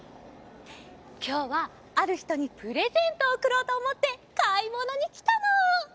きょうはあるひとにプレゼントをおくろうとおもってかいものにきたの！